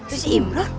ini siapa tuh pak